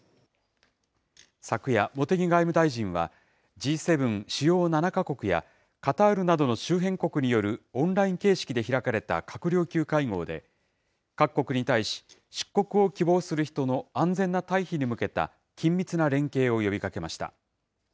昨夜、茂木外務大臣は、Ｇ７・主要７か国やカタールなどの周辺国によるオンライン形式で開かれた閣僚級会合で、各国に対し、出国を希望する人の安全な退避に向けた緊密な連携を呼びかけました。